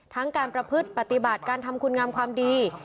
ทั้งการประพฤทธิ์ปฏิบาททำคุณงำความดี